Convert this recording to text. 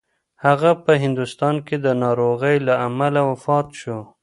هغه په هندوستان کې د ناروغۍ له امله وفات شو.